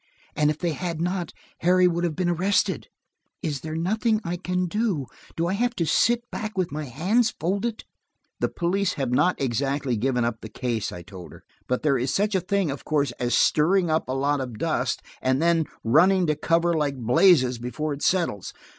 "And if they had not, Harry would have been arrested. Is there nothing I can do? Do I have to sit back with my hands folded?" "The police have not exactly given up the case," I told her, "but there is such a thing, of course, as stirring up a lot of dust and then running to cover like blazes before it settles.